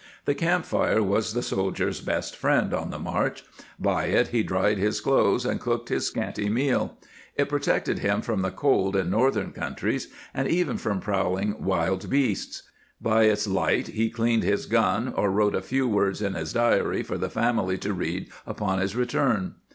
The camp fire was the soldier's best friend on the march ; by it he dried his clothes, and cooked his scanty meal ; it protected him from the cold in northern countries, and even from prowling wild beasts. By its light he cleaned his gun, or wrote a {&v^ words in his diary for the family to read upon his return.